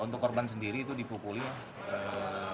untuk korban sendiri itu dipukuli